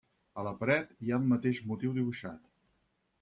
A la paret, hi ha el mateix motiu dibuixat.